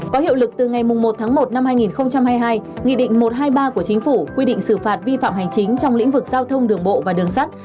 có hiệu lực từ ngày một tháng một năm hai nghìn hai mươi hai nghị định một trăm hai mươi ba của chính phủ quy định xử phạt vi phạm hành chính trong lĩnh vực giao thông đường bộ và đường sắt